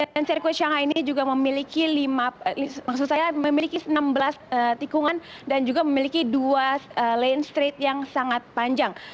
dan sirkuit shanghai ini juga memiliki enam belas tikungan dan juga memiliki dua lane street yang sangat panjang